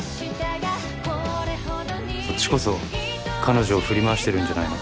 「そっちこそ彼女を振り回してるんじゃないの？」